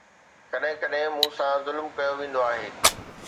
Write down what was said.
ڪڏهن ڪڏهن مون سان ظلم ڪيو ويندو آهي